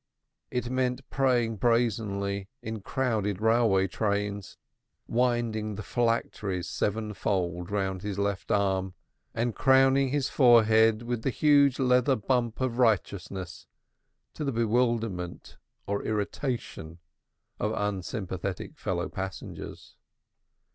It meant praying brazenly in crowded railway trains, winding the phylacteries sevenfold round his left arm and crowning his forehead with a huge leather bump of righteousness, to the bewilderment or irritation of unsympathetic fellow passengers.